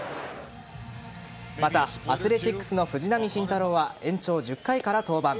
またアスレチックスの藤浪晋太郎は延長１０回から登板。